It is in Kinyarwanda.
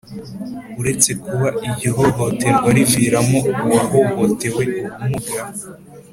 uretse kuba iryo hohoterwa riviramo uwahohotewe ubumuga